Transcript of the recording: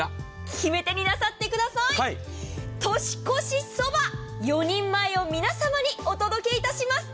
決め手になさってください、年越しそば４人前を皆様にお届けいたします。